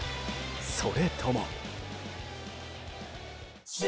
それとも。